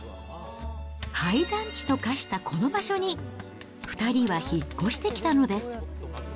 廃団地と化したこの場所に、２人は引っ越してきたのです。